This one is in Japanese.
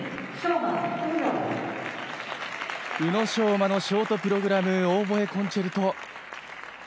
宇野昌磨のショートプログラム「オーボエコンチェルト」。